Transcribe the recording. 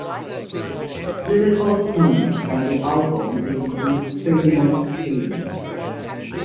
Lyrical themes on the album include famous killings.